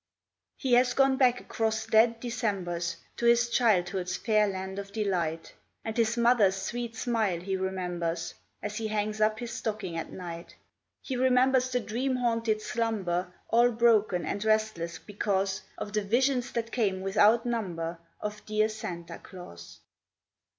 He has gone back across dead Decembers To his childhood's fair land of delight; And his mother's sweet smile he remembers, As he hangs up his stocking at night. He remembers the dream haunted slumber All broken and restless because Of the visions that came without number Of dear Santa Claus.